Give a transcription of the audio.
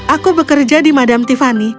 aku bekerja di madam tiffany